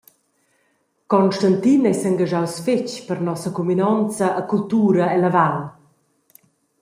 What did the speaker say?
Constantin ei s’engaschaus fetg per nossa cuminonza e cultura ella Val.